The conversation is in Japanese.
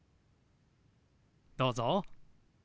どうぞ。